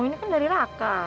ini kan dari raka